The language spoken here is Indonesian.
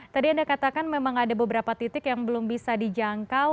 tadi anda katakan memang ada beberapa titik yang belum bisa dijangkau